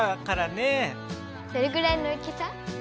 どれぐらいの大きさ？